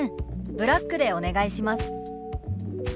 ブラックでお願いします」。